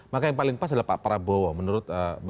maka yang paling pas adalah pak prabowo menurut